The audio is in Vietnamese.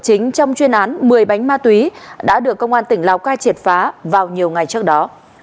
chính trong chuyên án một mươi bánh ma túy đã được công an tỉnh lào cai triệt phá vào nhiều ngày trước đó